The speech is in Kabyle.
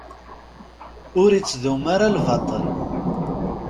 Ur ittdum ara lbaṭel.